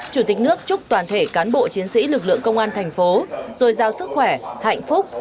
chủ tịch nước chúc toàn thể cán bộ chiến sĩ lực lượng công an thành phố rồi giao sức khỏe hạnh phúc